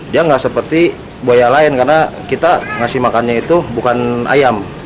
dia tidak seperti buaya lain karena kita memberi makannya bukan ayam